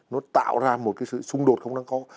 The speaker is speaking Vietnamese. nó tạo ra một cái sự xung đột không đáng có